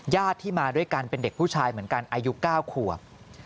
ญาติที่มาด้วยกันเป็นเด็กผู้ชายเหมือนกันอายุ๙ขวบ